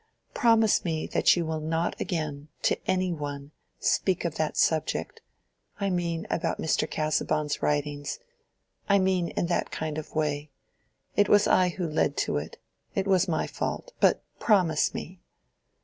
"Promise me that you will not again, to any one, speak of that subject—I mean about Mr. Casaubon's writings—I mean in that kind of way. It was I who led to it. It was my fault. But promise me."